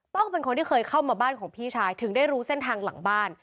ต้องเป็นคนที่เคยเข้ามาบ้านของพี่ชายถึงได้รู้เส้นทางหลังบ้าน